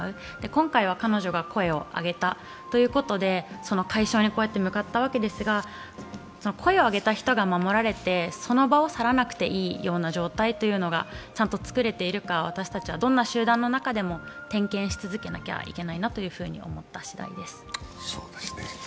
今回は彼女が声を上げたということで解消にこうやって向かったわけですが、声を上げた人が守られて、その場を去らなくていい状態というのが作られて、私たちは、どんな集団の中でも点検し続けなきゃいけないと思ったしだいです。